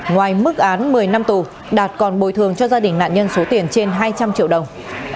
ngoài mức án một mươi năm tù đạt còn bồi thường cho gia đình nạn nhân số tiền trên hai trăm linh triệu đồng